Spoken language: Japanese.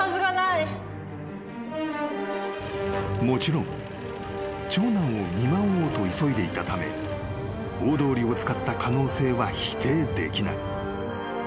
［もちろん長男を見舞おうと急いでいたため大通りを使った可能性は否定できない］